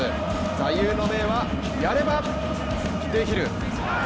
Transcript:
座右の銘はやればできる！